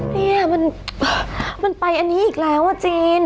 เนี่ยมันไปอันนี้อีกแล้วอ่ะจีน